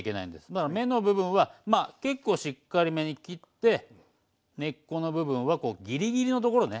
だから芽の部分は結構しっかりめに切って根っこの部分はギリギリのところね。